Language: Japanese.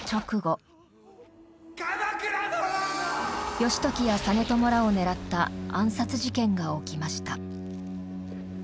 義時や実朝らを狙った暗殺事件が起きました。